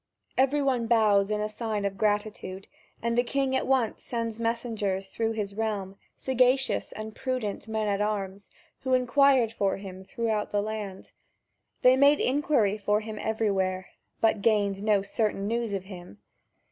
Everyone bows in sign of gratitude, and the king at once sends messengers through his realm, sagacious and prudent men at arms, who inquired for him throughout the land. They made inquiry for him everywhere, but gained no certain news of him.